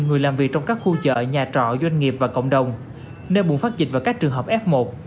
người làm việc trong các khu chợ nhà trọ doanh nghiệp và cộng đồng nơi bùng phát dịch vào các trường hợp f một